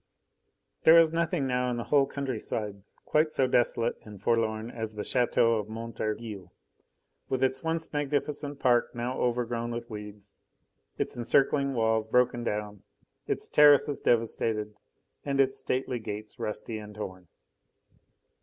IV There is nothing now in the whole countryside quite so desolate and forlorn as the chateau of Montorgueil, with its once magnificent park, now overgrown with weeds, its encircling walls broken down, its terraces devastated, and its stately gates rusty and torn.